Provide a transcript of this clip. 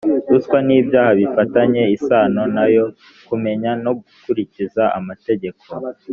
ruswa n ibyaha bifitanye isano na yo kumenya no gukurikiza amategeko